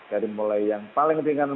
dari mulai yang paling ringan